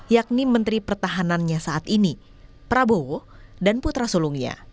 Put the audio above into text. yakni menteri pertahanannya saat ini prabowo dan putra sulungnya